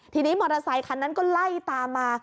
ทีนี้มอเตอร์ไซคันนั้นก็ไล่ตามมา